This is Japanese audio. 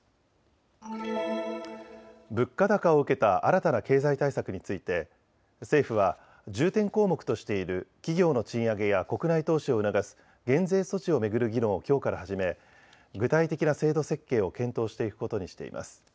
物価高を受けた新たな経済対策について政府は重点項目としている企業の賃上げや国内投資を促す減税措置を巡る議論をきょうから始め、具体的な制度設計を検討していくことにしています。